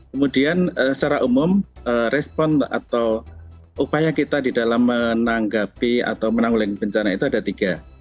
kemudian secara umum respon atau upaya kita di dalam menanggapi atau menanggulangi bencana itu ada tiga